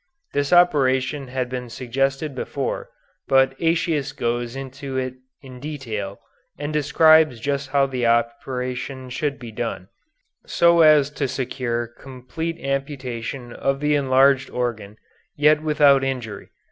This operation had been suggested before, but Aëtius goes into it in detail and describes just how the operation should be done, so as to secure complete amputation of the enlarged organ, yet without injury.